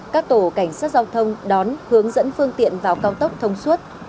các tổ cảnh sát giao thông đón hướng dẫn phương tiện vào cao tốc thông suốt